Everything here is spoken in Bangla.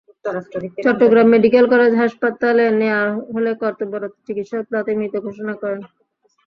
চট্টগ্রাম মেডিকেল কলেজ হাসপাতালে নেওয়া হলে কর্তব্যরত চিকিত্সক তাঁকে মৃত ঘোষণা করেন।